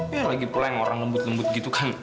ya lagi pula yang orang lembut lembut gitu kan